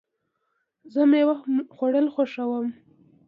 زه مېوه خوړل خوښوم.